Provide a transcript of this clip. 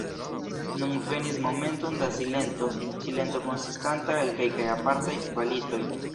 Nun venis momenton da silento—silento konsistanta el kelkaj apartaj kvalitoj.